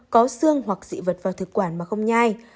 có xương hoặc dị vật vào thực quản mà không nhai